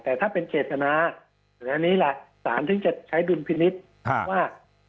แต่ถ้าเป็นเจตนาอันนี้ล่ะสารถึงจะใช้ดุลพินิษฐ์ว่า